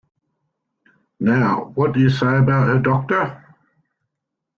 Now, what do you say about her doctor?